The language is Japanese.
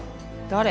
誰？